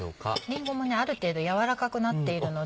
りんごもある程度軟らかくなっているので。